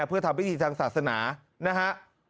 เพื่อทำพิธีทางศาสนานะฮะ